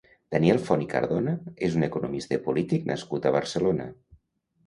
Daniel Font i Cardona és un economista i polític nascut a Barcelona.